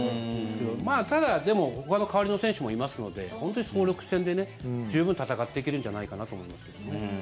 ただ、でもほかの代わりの選手もいますので本当に総力戦でね十分戦っていけるんじゃないかと思いますけどね。